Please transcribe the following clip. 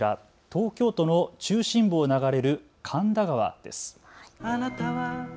東京都の中心部を流れる神田川です。